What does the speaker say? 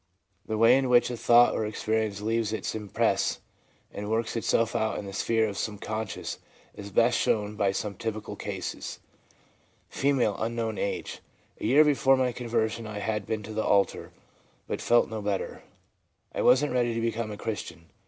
The way in which a thought or an experience leaves its impress and works itself out in the sphere of the sub conscious is best shown by some typical cases. F., —.* A year before my conversion I had been to the altar, but felt no better ; I wasn't ready to become a Christian.